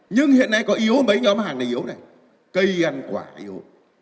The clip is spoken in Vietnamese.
nhưng hiện nay có yếu mấy nhóm hàng này yếu này cây ăn quả yếu